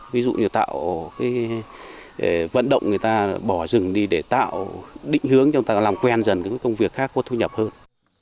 ví dụ như tạo vận động người ta bỏ rừng đi để tạo định hướng cho người ta làm quen dần các công việc khác có thu nhập hơn